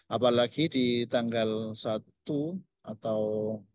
apalagi di tanggal satu atau